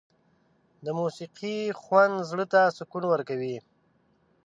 د موسيقۍ خوند زړه ته سکون ورکوي.